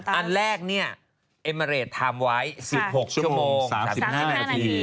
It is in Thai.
อันแรกเนี่ยเอเมอเรดทำไว้๑๖ชั่วโมง๓๕นาที